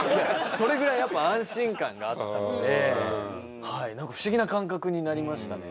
それぐらいやっぱ安心感があったので何か不思議な感覚になりましたね。